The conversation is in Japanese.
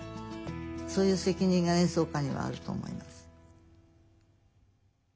そういう責任が演奏家にはあると思います。